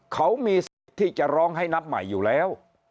เขามีสิทธิ์ที่จะร้องให้นับใหม่อยู่แล้ว